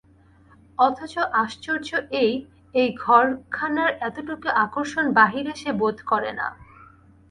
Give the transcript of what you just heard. অথচ আশ্চর্য এই, এই ঘরখানার এতটুকু আকর্ষণ বাহিরে সে বোধ করে না।